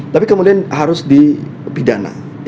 tapi kemudian harus dipidana